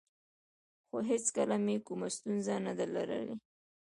خو هېڅکله مې کومه ستونزه نه ده لرلې